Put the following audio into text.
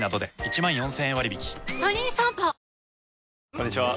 こんにちは。